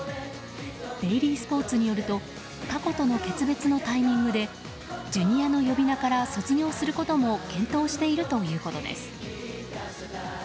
デイリースポーツによると過去との決別のタイミングでＪｒ．の呼び名から卒業することも検討しているということです。